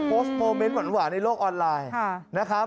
โพสต์โปรเมนต์หวานในโลกออนไลน์